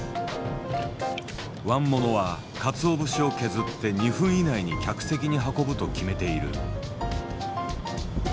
椀ものはかつお節を削って２分以内に客席に運ぶと決めている。